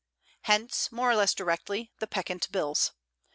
Hence, more or less directly, the peccant bills.